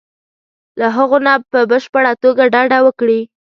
له هغو نه په بشپړه توګه ډډه وکړي.